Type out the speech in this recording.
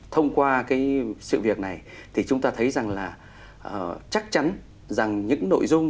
thông qua sự việc này chúng ta thấy rằng là chắc chắn rằng những nội dung